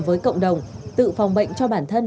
với cộng đồng tự phòng bệnh cho bản thân